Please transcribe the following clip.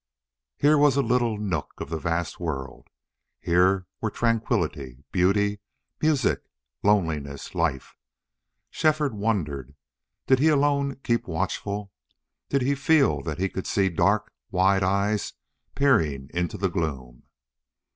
Here was a little nook of the vast world. Here were tranquillity, beauty, music, loneliness, life. Shefford wondered did he alone keep watchful? Did he feel that he could see dark, wide eyes peering into the gloom?